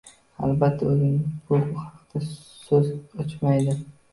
Albatta, o`zi bu haqda so`z ochmaydi